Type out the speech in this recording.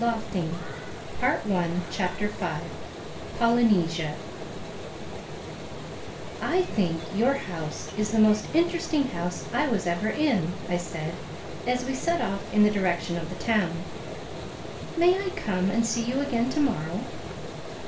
THE FIFTH CHAPTER POLYNESIA "I THINK your house is the most interesting house I was ever in," I said as we set off in the direction of the town. "May I come and see you again to morrow?"